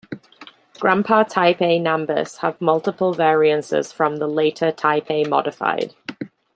Grandpa Type A Nambus have multiple variances from the later Type A Modified.